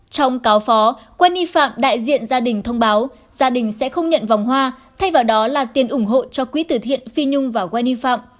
trong cáo phó quen y phạm đại diện gia đình thông báo gia đình sẽ không nhận vòng hoa thay vào đó là tiền ủng hộ cho quý tử thiện phi nhung và quen y phạm